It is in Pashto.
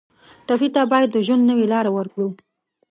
ټپي ته باید د ژوند نوې لاره ورکړو.